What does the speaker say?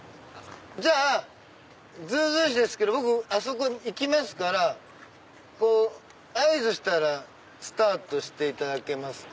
じゃあずうずうしいですけど僕あそこ行きますから合図したらスタートしていただけますか？